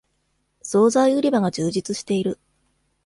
そうざい売り場が充実している